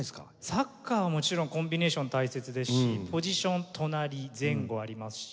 サッカーもちろんコンビネーション大切ですしポジション隣前後ありますし。